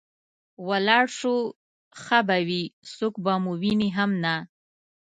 ولاړ شو ښه به وي، څوک به مو ویني هم نه.